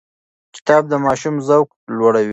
کتاب د ماشوم ذوق لوړوي.